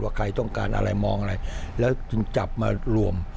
ใครต้องการอะไรมองอะไรแล้วจึงจับมารวม